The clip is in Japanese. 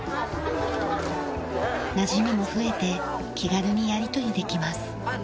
なじみも増えて気軽にやり取りできます。